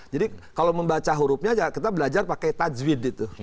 jadi kalau membaca hurufnya kita belajar pakai tajwid itu